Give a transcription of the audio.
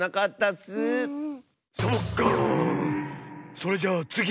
それじゃあつぎ！